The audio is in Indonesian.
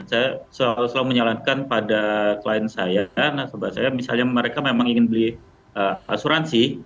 saya selalu menyalankan pada klien saya nasabah saya misalnya mereka memang ingin beli asuransi